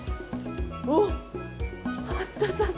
おっ、あった早速。